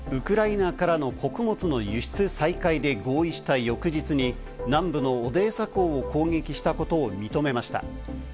ロシア国防省はウクライナからの穀物の輸出再開で合意した翌日に南部のオデーサ港を攻撃したことを認めました。